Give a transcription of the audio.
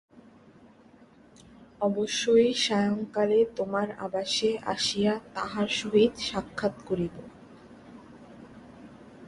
অবশ্যই সায়ংকালে তোমার আবাসে আসিয়া তাঁহার সহিত সাক্ষাৎ করিব।